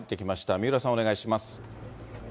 三浦さん、お願いします。